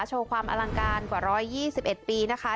โชว์ความอลังการกว่า๑๒๑ปีนะคะ